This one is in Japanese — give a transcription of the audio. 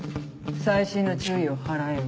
細心の注意を払えよ。